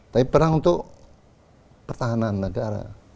tapi perang untuk pertahanan negara